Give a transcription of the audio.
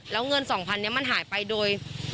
แล้วเงิน๒๐๐นี้มันหายไปโดย